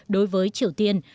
đối với triều tiên